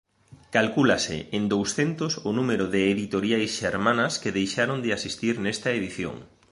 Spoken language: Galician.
Calcúlase en douscentos o número de editoriais xermanas que deixaron de asistir nesta edición.